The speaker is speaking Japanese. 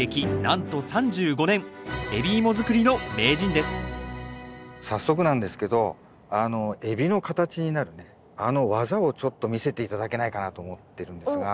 海老芋作りの名人です早速なんですけどあの海老の形になるねあの技をちょっと見せて頂けないかなと思ってるんですが。